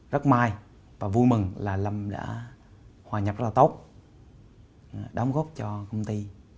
rất may và vui mừng là lâm đã hòa nhập rất là tốt đóng góp cho công ty